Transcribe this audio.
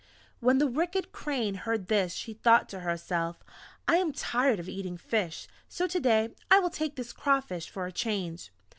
When the wicked Crane heard this, she thought to herself, "I am tired of eating fish, so to day I will take this crawfish for a change!"